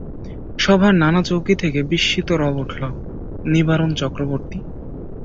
সভার নানা চৌকি থেকে বিস্মিত রব উঠল– নিবারণ চক্রবর্তী?